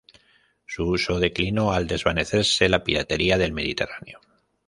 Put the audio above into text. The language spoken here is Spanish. Su uso declinó al desvanecerse la piratería del Mediterráneo.